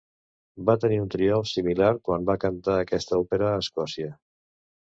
Va tenir un triomf similar quan va cantar aquesta òpera a Escòcia.